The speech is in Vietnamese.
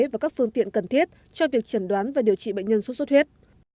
và các phương tiện cần thiết cho việc chẩn đoán và điều trị bệnh nhân suốt suốt huyết